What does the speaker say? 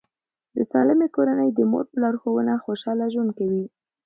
د سالمې کورنۍ د مور په لارښوونه خوشاله ژوند کوي.